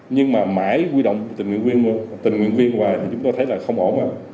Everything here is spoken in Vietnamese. nhưng mà mãi quy động tình nguyện viên tình nguyện viên hoài thì chúng ta thấy là không ổn